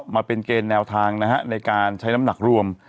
มาเป็นเกณฑ์แนวทางนะฮะในการใช้น้ำหนักรวม